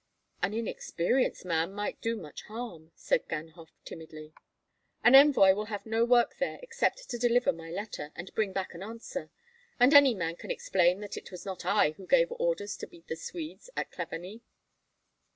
"An inexperienced man might do much harm," said Ganhoff, timidly. "An envoy will have no work there except to deliver my letter, and bring back an answer; and any man can explain that it was not I who gave orders to beat the Swedes at Klavany."